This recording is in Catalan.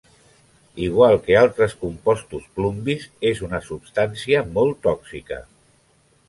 Igual que altres compostos plumbis, és una substància molt tòxica.